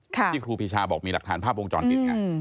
ที่ครูปีชาบอกมีหลักฐานภาพวงจรปิดไง